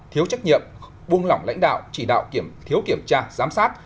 thiếu trách nhiệm buông lỏng lãnh đạo chỉ đạo thiếu kiểm tra giám sát